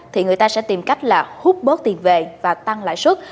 thì người ta sẽ tìm cách là hút bớt tiền về và tăng lãi suất